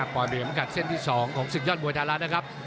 เป็นกำกัดเส้นที่๒ของสิกยอดบวยธาระนะครับ